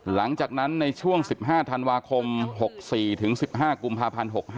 หลังจากนั้นในช่วง๑๕ธันวาคม๖๔ถึง๑๕กุมภาพันธ์๖๕